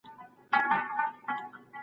د چا پټ عیب مه لټوئ.